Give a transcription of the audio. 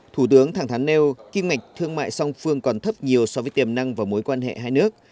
thủ tướng thẳng thán nêu kim ngạch thương mại song phương còn thấp nhiều so với tiềm năng và mối quan hệ hai nước